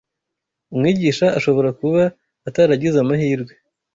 Umwigisha ashobora kuba ataragize amahirwe